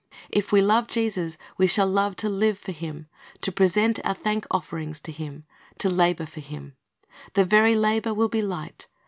If we love Jesus, we shall love to live for Him, to present our thank ofterings to Him, to labor for Him. The very labor will be light.